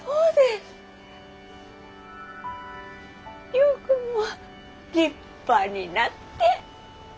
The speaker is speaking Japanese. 亮君も立派になって！